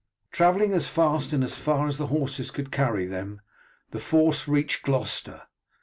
Travelling as fast and as far as the horses could carry them, the force reached Gloucester.